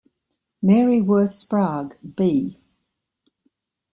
Mary Worth Sprague - B.